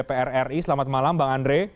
prri selamat malam bang andri